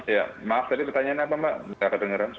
ya maaf tadi pertanyaan apa mbak